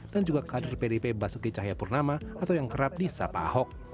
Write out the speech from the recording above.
dan juga kader pdp basuki cahaya purnama atau yang kerap di sapa ahok